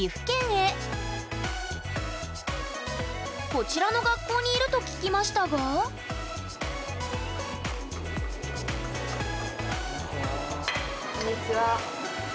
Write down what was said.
こちらの学校にいると聞きましたがこんにちは。